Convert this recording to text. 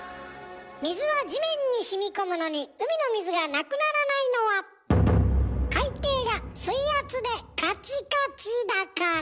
水は地面にしみこむのに海の水がなくならないのは海底が水圧でカチカチだから。